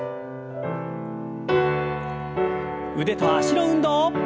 腕と脚の運動。